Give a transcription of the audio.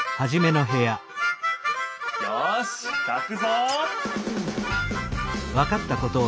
よしかくぞ！